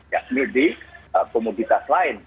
yang sendiri komoditas lain